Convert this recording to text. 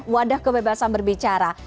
wadah kebebasan berbicara